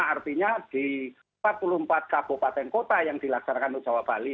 artinya di empat puluh empat kabupaten kota yang dilaksanakan untuk jawa bali